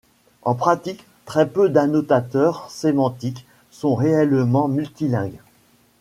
En pratique très peu d'annotateurs sémantiques sont réellement multilingues.